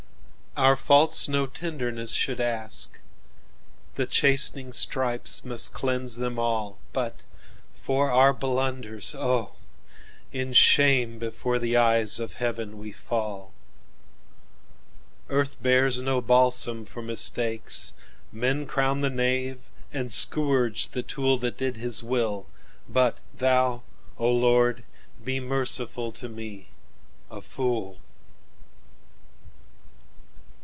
"Our faults no tenderness should ask, The chastening stripes must cleanse them all; But for our blunders—oh, in shameBefore the eyes of heaven we fall."Earth bears no balsam for mistakes; Men crown the knave, and scourge the toolThat did his will; but Thou, O Lord, Be merciful to me, a fool!"